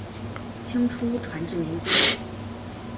清初传至民间。